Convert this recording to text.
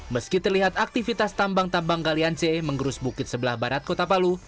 meski terlihat aktivitas tambang tambang galian c mengerus bukit sebelah barat kota palu